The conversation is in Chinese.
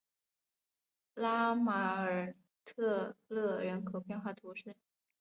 拉马尔特勒人口变化图示